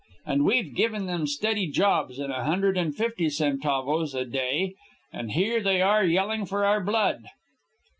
And we've given them steady jobs and a hundred and fifty centavos a a day, and here they are yelling for our blood."